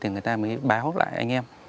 người ta mới báo lại anh em